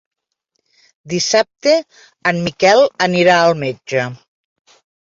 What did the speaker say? Dissabte en Miquel anirà al metge.